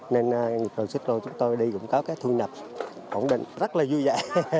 nên nghiệp đoàn xích lô chúng tôi đi cũng có cái thu nhập ổn định rất là vui vẻ